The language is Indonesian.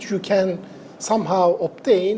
yang bisa kita dapatkan